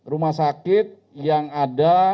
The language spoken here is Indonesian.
rumah sakit yang ada